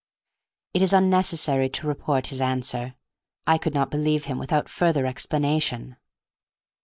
It is unnecessary to report his answer. I could not believe him without further explanation.